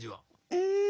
うん。